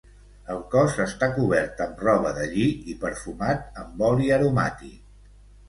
El cos està cobert amb roba de lli i perfumat amb oli aromàtic.